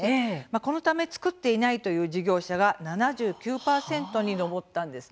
このため、作っていないという事業者が７９％に上ったんです。